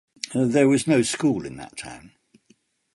There was no school in that town.